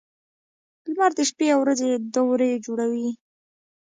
• لمر د شپې او ورځې دورې جوړوي.